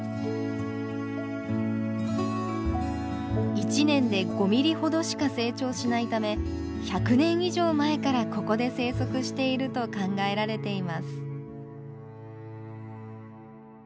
１年で５ミリほどしか成長しないため１００年以上前からここで生息していると考えられています。